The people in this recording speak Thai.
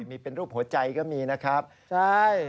มีเป็นรูปหัวใจก็มีนะครับใช่